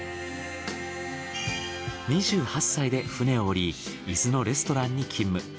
２８歳で船を下り伊豆のレストランに勤務。